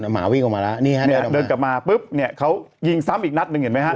หมาวิ่งออกมาแล้วเดินกลับมาปุ๊บเขายิงซ้ำอีกนัดหนึ่งเห็นไหมฮะ